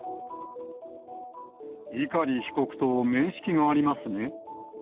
碇被告と面識がありますね。